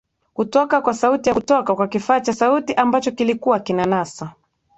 kutoka kwa saufi ya kutoka kwa kifaa cha sauti ambacho kilikuwa kinanasa